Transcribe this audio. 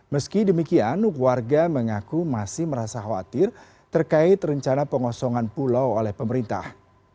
meski demikian warga mengaku masih merasa khawatir terkait rencana pengosongan pulau oleh pemerintah